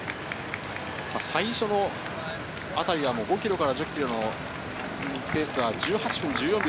最初の当たりは５ｋｍから１０ｋｍのペースでは１８分１４秒。